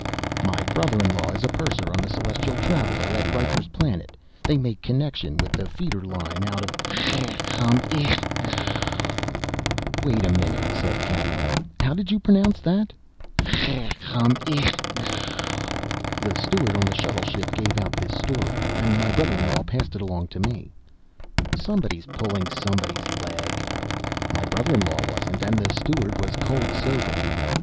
"My brother in law is purser on the Celestial Traveller. At Riker's Planet they make connection with the feeder line out of Cirgamesç." "Wait a minute," said Catlin. "How did you pronounce that?" "Cirgamesç. The steward on the shuttle ship gave out this story, and my brother in law passed it along to me." "Somebody's pulling somebody's leg." "My brother in law wasn't, and the steward was cold sober."